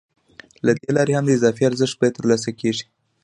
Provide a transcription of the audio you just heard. له دې لارې هم د اضافي ارزښت بیه ترلاسه کېږي